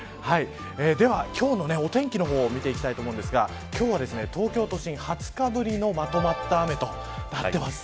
では、今日のお天気の方を見ていきたいと思うんですが今日は東京都心、２０日ぶりのまとまった雨となっています。